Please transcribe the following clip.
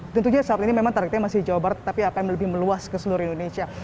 tentunya saat ini memang targetnya masih jawa barat tapi akan lebih meluas ke seluruh indonesia